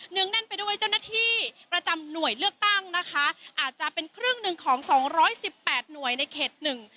งแน่นไปด้วยเจ้าหน้าที่ประจำหน่วยเลือกตั้งนะคะอาจจะเป็นครึ่งหนึ่งของสองร้อยสิบแปดหน่วยในเขตหนึ่ง